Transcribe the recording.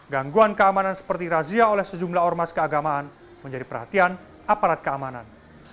gangguan keamanan seperti razia oleh sejumlah ormas keagamaan menjadi perhatian aparat keamanan